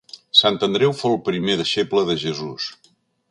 Sant Andreu fou el primer deixeble de Jesús.